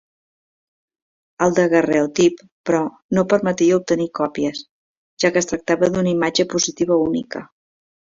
El daguerreotip, però, no permetia obtenir còpies, ja que es tractava d’una imatge positiva única.